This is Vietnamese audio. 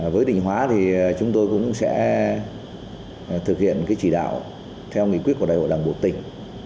với định hóa thì chúng tôi cũng sẽ thực hiện chỉ đạo theo nghị quyết của đại hội đảng bộ tỉnh